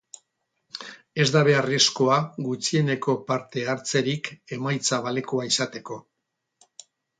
Ez da beharrezkoa gutxieneko parte-hartzerik emaitza balekoa izateko.